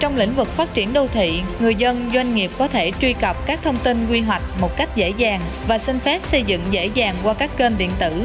gặp các thông tin quy hoạch một cách dễ dàng và xin phép xây dựng dễ dàng qua các kênh điện tử